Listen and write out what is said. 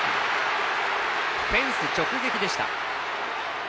フェンス直撃でした。